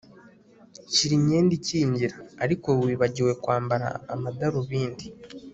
shyira imyenda ikingira ariko wibagiwe kwambara amadarubindi